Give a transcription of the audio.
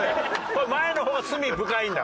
前の方が罪深いんだ。